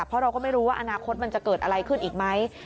เพราะเราก็ไม่รู้ว่าอนาคตมันจะเกิดอะไรขึ้นอีกไหม